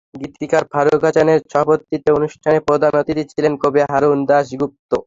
গীতিকার ফারুক হাসানের সভাপতিত্বে অনুষ্ঠানে প্রধান অতিথি ছিলেন কবি অরুণ দাশ গুপ্ত।